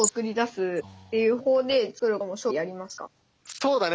そうだね。